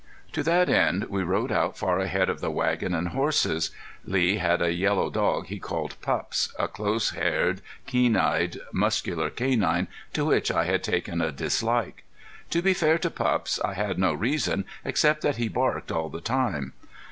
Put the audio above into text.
To that end we rode out far ahead of the wagon and horses. Lee had a yellow dog he called Pups, a close haired, keen faced, muscular canine to which I had taken a dislike. To be fair to Pups, I had no reason except that he barked all the time.